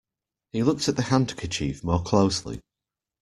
He looked at the handkerchief more closely